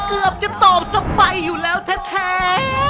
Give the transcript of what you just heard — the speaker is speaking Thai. เกือบจะตอบสไปอยู่แล้วแท้